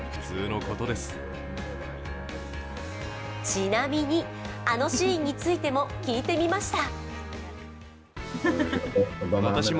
ちなみに、あのシーンについても聞いてみました。